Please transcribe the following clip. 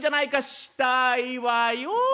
「したいわよ。